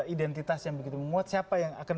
identitas yang begitu menguat siapa yang akan